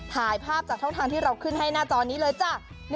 ถ่ายภาพจากช่องทางที่เราขึ้นให้หน้าจอนี้เลยจ้ะ